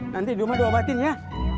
nanti rumah dobatin ya